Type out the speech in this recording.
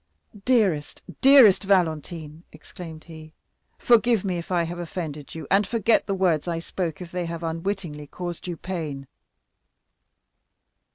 "Dearest, dearest Valentine," exclaimed he, "forgive me if I have offended you, and forget the words I spoke if they have unwittingly caused you pain."